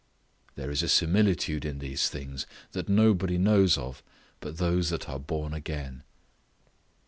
There is a similitude in these things that nobody knows of but those that are born again.